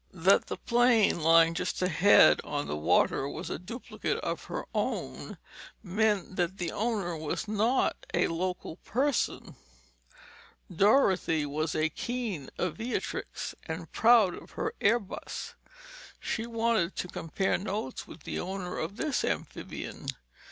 That the plane lying just ahead on the water was a duplicate of her own meant that the owner was not a local person. Dorothy was a keen aviatrix and proud of her airbus. She wanted to compare notes with the owner of this amphibian.